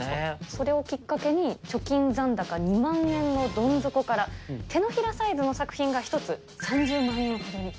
それをきっかけに貯金残高２万円のどん底から、手のひらサイズの作品が１つ３０万円に。